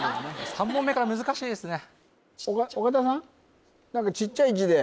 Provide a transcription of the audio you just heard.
３問目から難しいですね